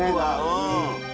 うん。